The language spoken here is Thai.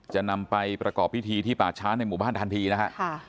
จะนำไปประกอบพิธีที่ป่าช้าในหมู่บ้านทันทีนะฮะ